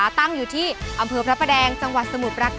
อายุ๒๔ปีวันนี้บุ๋มก็จะพามาเที่ยวที่บ้านบุ๋มนะคะ